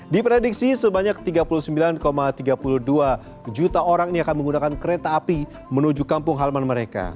di prediksi sebanyak tiga puluh sembilan tiga puluh dua juta orang ini akan menggunakan kereta api menuju kampung halaman mereka